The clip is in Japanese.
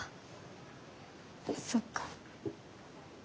そっか。